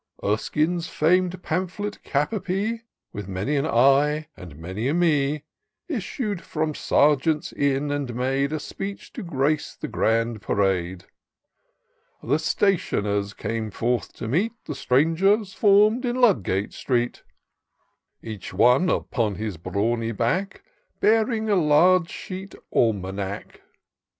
Erskine's fam'd pamphlet cap a pee. With many an /, and many a Jfe, Issu*d from Sergeants' Inn, and made A speech to grace the grand parade. The Stationers came forth to meet The stranger forms in Ludgate street ; Each one, upon his bravmy back. Bearing a large sheet Almanack.